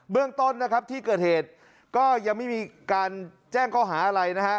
เรื่องต้นนะครับที่เกิดเหตุก็ยังไม่มีการแจ้งข้อหาอะไรนะฮะ